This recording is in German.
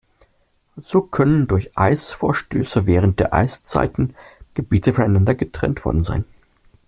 So können durch Eisvorstöße während der Eiszeiten Gebiete voneinander getrennt worden sein.